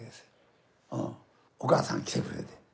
お母さん来てくれて。